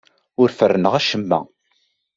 Ur ferrneɣ acemma.